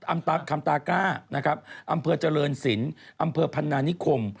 อำเภอข้ำตากล้านครับอำเภอเจริญสินอำเภอพรรณนิคม